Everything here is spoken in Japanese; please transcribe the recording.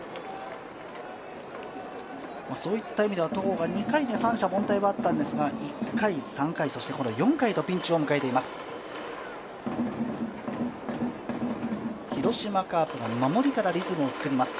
そういった意味では戸郷は２回で三者凡退があったんですが、１回、３回、４回とピンチを迎えています。